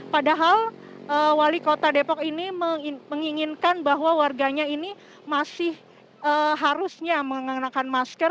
padahal wali kota depok ini menginginkan bahwa warganya ini masih harusnya mengenakan masker